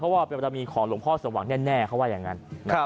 เพราะว่าเป็นปฏิมิตรของหลงพ่อสวังแน่เขาไหว้อย่างนั้น